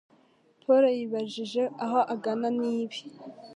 Paul yibajije aho agana nibi.